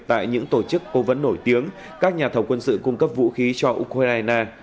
tại những tổ chức cố vấn nổi tiếng các nhà thầu quân sự cung cấp vũ khí cho ukraine